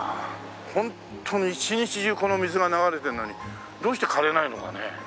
ホントに一日中この水が流れてるのにどうして枯れないのかね？